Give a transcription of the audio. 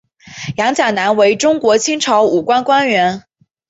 杨钾南为中国清朝武官官员。